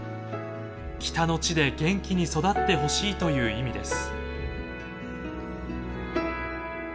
北の地で元気に育ってほしいという意味です。